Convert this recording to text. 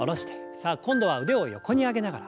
さあ今度は腕を横に上げながら。